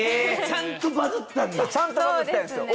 ちゃんとバズったんですよ